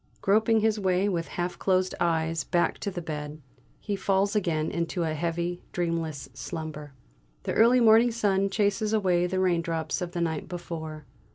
Groping his way with half closed eyes back to the bed, he falls again into a heavy, dreamless slumber. The early morning sun chases away the raindrops of the night before.